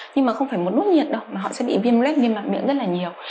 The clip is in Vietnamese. nhưng mà không phải một nốt nhiệt đâu mà họ sẽ bị viêm lết viêm mặt miệng rất là nhiều